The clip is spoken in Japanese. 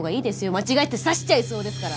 間違えて刺しちゃいそうですから。